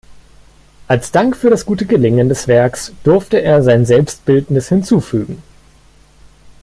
Als Dank für das gute Gelingen des Werks durfte er sein Selbstbildnis hinzufügen.